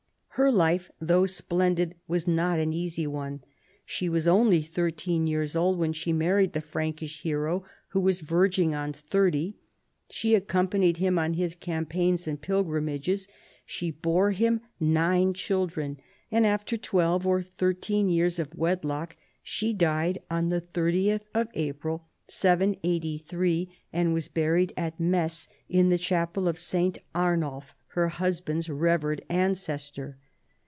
Her life, though splendid, was not an easy one. She was onl}'^ thirteen years old when she married the Frankish hero who was verging on thirty : she accompanied him on his cam paigns and pilgrimages: she bore him nine children, and after twelve or thirteen years of wedlock she died on the 30th of April 783, and was buried at Metz in the chapel of St. Arnulf, her husband's revered ancestor.